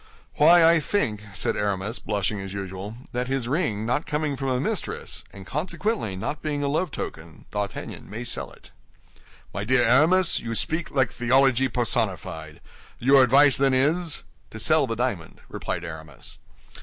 "Why, I think," said Aramis, blushing as usual, "that his ring not coming from a mistress, and consequently not being a love token, D'Artagnan may sell it." "My dear Aramis, you speak like theology personified. Your advice, then, is—" "To sell the diamond," replied Aramis.